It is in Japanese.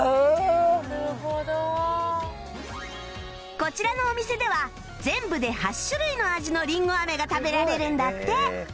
こちらのお店では全部で８種類の味のりんご飴が食べられるんだって